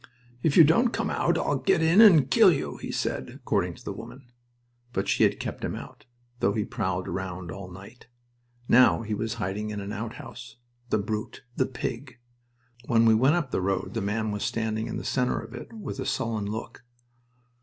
"If you don't come out I'll get in and kill you," he said, according to the women. But she had kept him out, though he prowled round all night. Now he was hiding in an outhouse. The brute! The pig! When we went up the road the man was standing in the center of it, with a sullen look.